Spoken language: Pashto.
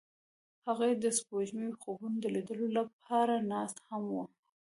هغوی د سپوږمیز خوبونو د لیدلو لپاره ناست هم وو.